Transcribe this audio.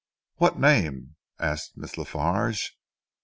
"What name?" asked Miss La Farge.